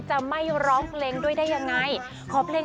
จะเรียกมวลแหล่งที่ใส่ไหน